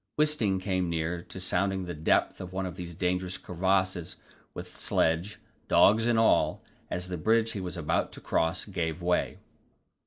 Wisting came near to sounding the depth of one of these dangerous crevasses with sledge, dogs and all, as the bridge he was about to cross gave way.